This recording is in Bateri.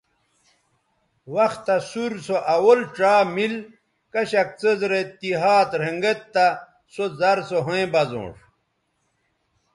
وختہ سور سو اول ڇا مِل چہء کشک څیز رے تی ھات رھنگید تہ سو زر سو ھویں بزونݜ